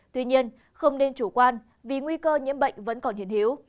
tuy nhiên không nên chủ quan vì nguy cơ nhiễm bệnh vẫn còn hiện hiếu